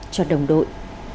cho đồng đội